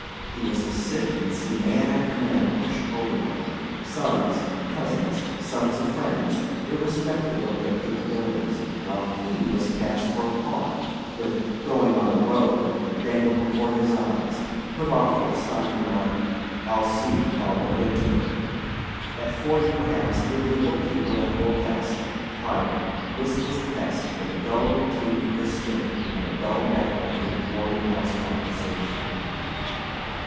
He was to sit and see man after man pushed over him: sons, cousins, sons of friends, irrespective of their capabilities, while HE was cast for a pawn, with "going on the road" dangled before his eyes put off with the stock remark: "I'll see; I'll look into it." At forty, perhaps, he would be a bookkeeper like old Hesse, tired, listless Hesse with a dull routine for his stint and a dull background of boarding house conversation.